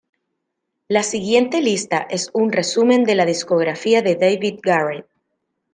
La siguiente lista es un resumen de la discografía de David Garrett